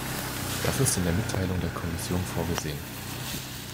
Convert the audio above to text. Das ist in der Mitteilung der Kommission vorgesehen.